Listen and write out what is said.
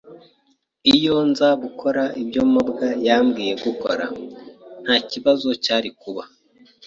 Iyo nza gukora ibyo mabwa yambwiye gukora, ntakibazo cyari kuba.